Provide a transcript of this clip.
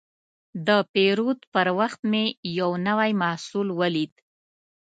د پیرود پر وخت مې یو نوی محصول ولید.